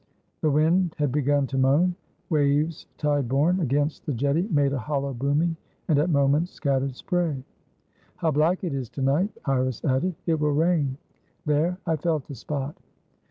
The wind had begun to moan; waves tide borne against the jetty made a hollow booming, and at moments scattered spray. "How black it is to night!" Iris added. "It will rain. There! I felt a spot."